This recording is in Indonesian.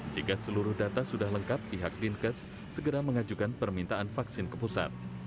jika seluruh data sudah lengkap pihak dinkes segera mengajukan permintaan vaksin ke pusat